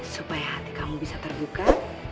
supaya hati kamu bisa terbuka